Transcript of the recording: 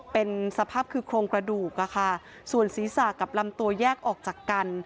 เป็นสภาพคือโครงกระดูกอะค่ะส่วนศีรษะกับลำตัวแยกออกจากกัน